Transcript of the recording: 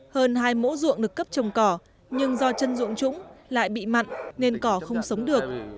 hơn hai mẫu ruộng được cấp trồng cỏ nhưng do chân ruộng trũng lại bị mặn nên cỏ không sống được